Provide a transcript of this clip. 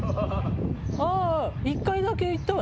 ああ１回だけ行ったわね